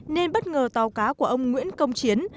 nên bất ngờ tàu cá của ông nguyễn công chiến